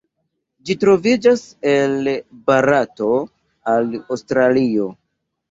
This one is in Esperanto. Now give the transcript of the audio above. Ĝi troviĝas el Barato al Aŭstralio.